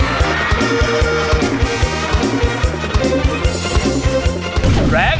แชมป์กลุ่ม๓